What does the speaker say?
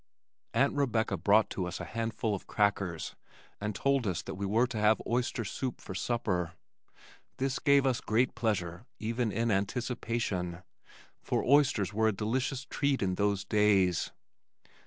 Aunt Rebecca brought to us a handful of crackers and told us that we were to have oyster soup for supper. This gave us great pleasure even in anticipation, for oysters were a delicious treat in those days.